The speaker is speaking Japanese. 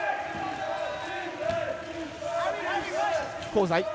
香西